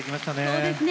そうですね